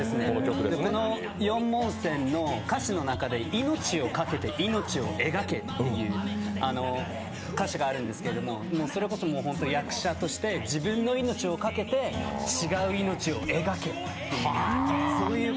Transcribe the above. この「四文銭」の歌詞の中で「命を懸けて命を描け」という歌詞があるんですけど、それこそ役者として自分の命を懸けて違う命を描けという。